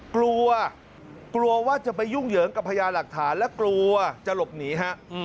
กลัวกลัวว่าจะไปยุ่งเหยิงกับพญาหลักฐานและกลัวจะหลบหนีฮะ